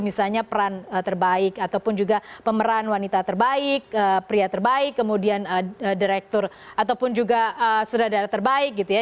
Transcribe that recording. misalnya peran terbaik ataupun juga pemeran wanita terbaik pria terbaik kemudian direktur ataupun juga sudara terbaik gitu ya